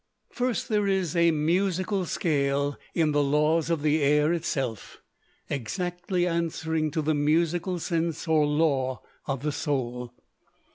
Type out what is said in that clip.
First, there is a musical scale in the laws of the air itself, exactly answering to the musical sense or law of the soul.